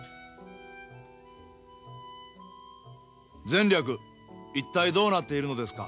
「前略一体どうなっているのですか？